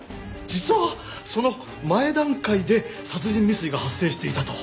実はその前段階で殺人未遂が発生していたと。